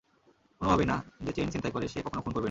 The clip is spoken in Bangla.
কোনভাবেই না, যে চেইন ছিনতাই করে, সে কখনো খুন করবে না।